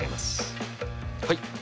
はい。